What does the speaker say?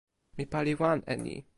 mi pali wan e ni.